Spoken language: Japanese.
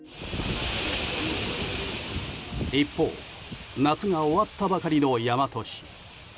一方夏が終わったばかりの大和市。